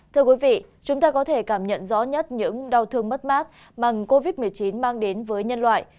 thưa quý vị chúng ta có thể cảm nhận rõ nhất những đau thương mất mát mà covid một mươi chín mang đến với nhân loại